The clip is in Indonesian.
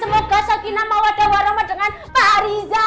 semoga segini mawa dan warama dengan pariza